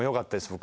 僕。